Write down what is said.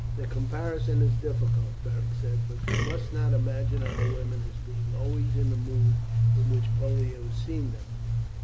"The comparison is difficult," Beric said; "but you must not imagine our women as being always in the mood in which Pollio has seen them.